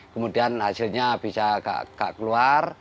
kemudian hasilnya bisa nggak keluar